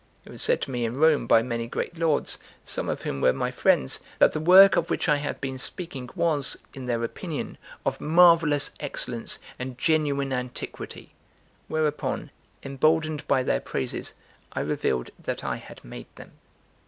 It was said to me in Rome by many great lords, some of whom were my friends, that the work of which I have been speaking was, in their opinion of marvellous excellence and genuine antiquity; whereupon, emboldened by their praises, I revealed that I had made them.